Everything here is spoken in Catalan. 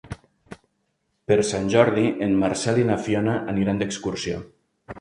Per Sant Jordi en Marcel i na Fiona aniran d'excursió.